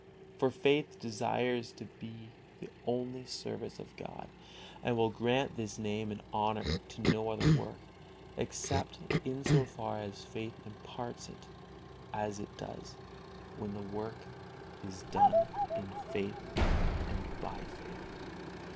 For faith desires to be the only service of God, and will grant this name and honor to no other work, except in so far as faith imparts it, as it does when the work is done in faith and by faith.